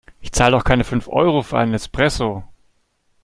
Ich zahle doch keine fünf Euro für einen Espresso!